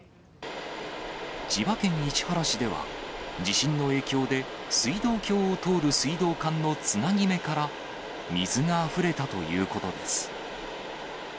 千葉県市原市では地震の影響で、水道橋を通る水道管のつなぎ目から、水があふれたということです。